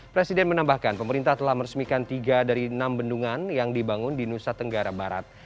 presiden menambahkan pemerintah telah meresmikan tiga dari enam bendungan yang dibangun di nusa tenggara barat